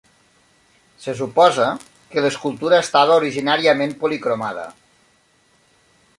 Se suposa que l'escultura estava originàriament policromada.